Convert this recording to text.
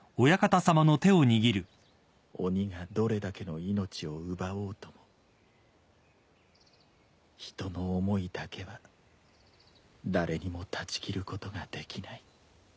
鬼がどれだけの命を奪おうとも人の思いだけは誰にも断ち切ることができない。